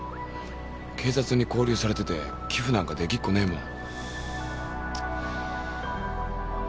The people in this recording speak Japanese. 警察にこう留されてて寄付なんかできっこねえもん。